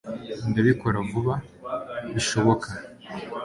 nzabikora vuba bishoboka